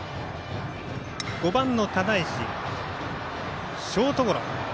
５番の只石ショートゴロ。